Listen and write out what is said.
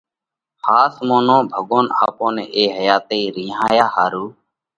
ۿاس مونو ڀڳوونَ آپون نئہ اي حياتئِي رِينهايا ۿارُو،